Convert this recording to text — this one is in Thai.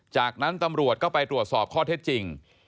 จากนั้นตำรวจก็ไปตรวจสอบข้อเท็จจริง